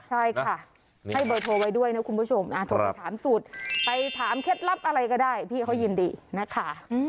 ใช่ค่ะให้เบอร์โทรไว้ด้วยนะคุณผู้ชมโทรไปถามสูตรไปถามเคล็ดลับอะไรก็ได้พี่เขายินดีนะคะ